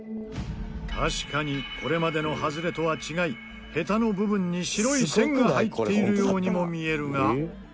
確かにこれまでのハズレとは違いヘタの部分に白い線が入っているようにも見えるが。